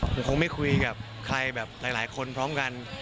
ผมคงไม่คุยกับใครแบบหลายคนพร้อมกัน